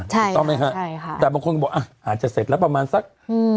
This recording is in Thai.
ถูกต้องไหมฮะใช่ค่ะแต่บางคนก็บอกอ่ะอาจจะเสร็จแล้วประมาณสักอืม